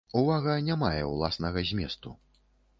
Увага не мае ўласнага зместу.